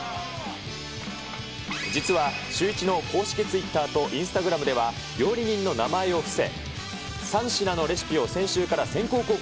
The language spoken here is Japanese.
実はシューイチの公式ツイッターとインスタグラムでは、料理人の名前を伏せ、３品のレシピを先週から先行公開。